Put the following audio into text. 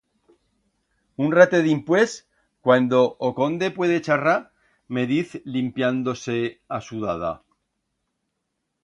Un ratet dimpués, cuando o conde puede charrar, me diz limpiando-se a sudada.